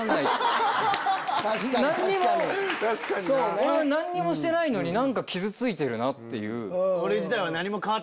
俺は何もしてないのに傷ついてるなっていう。